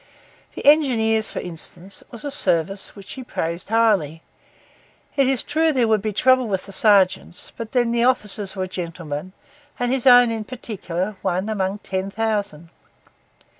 The Engineers, for instance, was a service which he praised highly; it is true there would be trouble with the sergeants; but then the officers were gentlemen, and his own, in particular, one among ten thousand.